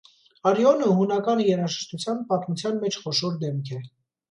Արիոնը հունական երաժշտության պատմության մեջ խոշոր դեմք է։